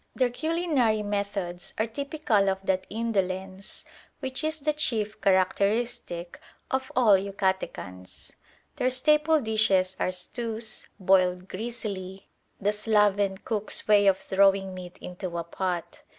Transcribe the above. Their culinary methods are typical of that indolence which is the chief characteristic of all Yucatecans. Their staple dishes are stews, boiled greasily: the sloven cook's way of throwing meat into a pot.